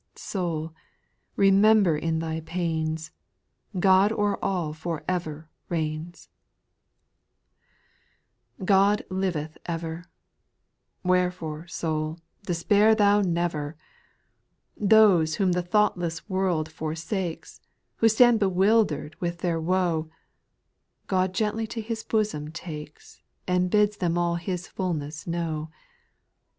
Soul, remember in thy pains, God o'er all for ever reigns ! SPIRITUAL SONGS. 371 6. Gk)d liveth ever I Wherefore, soul, despair thou never 1 Those whom the thoughtless world forsakes, Who stand bewildered with their woe, God gently to His bosom takes, And bids them all His fulness know.